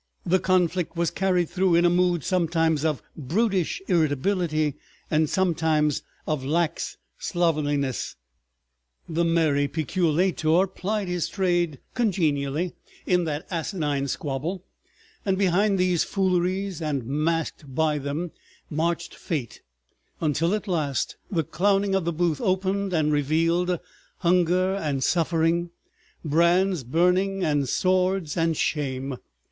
The conflict was carried through in a mood sometimes of brutish irritability and sometimes of lax slovenliness, the merry peculator plied his trade congenially in that asinine squabble, and behind these fooleries and masked by them, marched Fate—until at last the clowning of the booth opened and revealed—hunger and suffering, brands burning and swords and shame.